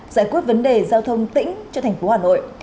giải quyết vấn đề giao thông tỉnh cho thành phố hà nội